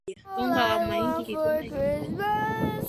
Unga wa mahindi kikombe moja